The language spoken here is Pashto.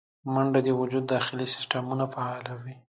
منډه د وجود داخلي سیستمونه فعالوي